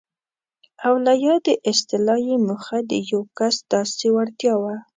او له یادې اصطلاح یې موخه د یو کس داسې وړتیا وه.